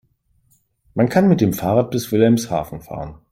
Man kann mit dem Fahrrad bis Wilhelmshaven fahren